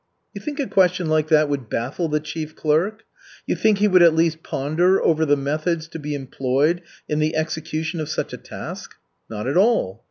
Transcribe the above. You think a question like that would baffle the chief clerk? You think he would at least ponder over the methods to be employed in the execution of such a task? Not at all.